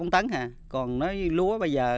ba bốn tấn ha còn nói lúa bây giờ